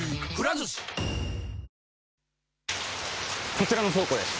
こちらの倉庫です。